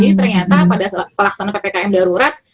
ini ternyata pada pelaksana ppkm darurat